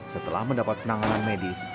setelah mendapat penanganan medis